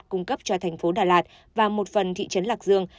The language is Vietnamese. cung cấp cho thành phố đà lạt và một phần thị trấn lạc dương